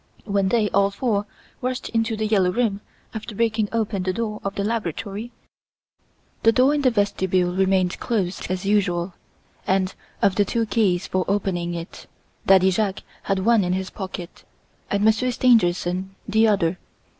When they, all four, rushed into "The Yellow Room", after breaking open the door of the laboratory, the door in the vestibule remained closed as usual and, of the two keys for opening it, Daddy Jacques had one in his pocket, and Monsieur Stangerson the other.